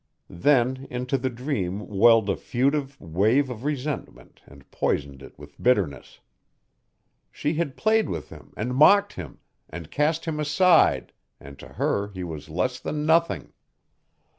Then into the dream welled a futile wave of resentment and poisoned it with bitterness. She had played with him and mocked him and cast him aside and to her he was less than nothing.